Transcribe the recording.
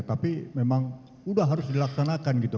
tapi memang udah harus dilaksanakan gitu